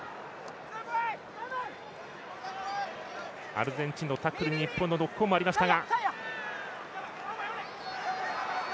アルゼンチンのタックルに日本のノックオンもありました。